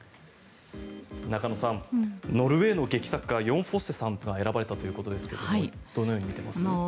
中野さん、ノルウェーの劇作家ヨン・フォッセさんという方が選ばれたということですがどのように見ていますか？